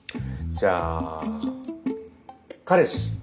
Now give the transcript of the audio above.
じゃあ彼氏！